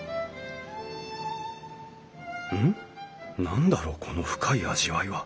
何だろうこの深い味わいは。